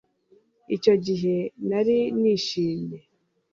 Icyo gihe nari nishimye